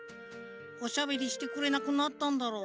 おしゃべりしてくれなくなったんだろう。